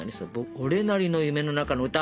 俺なりの「夢の中の歌」。